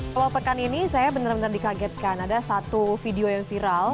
kalau pekan ini saya benar benar dikagetkan ada satu video yang viral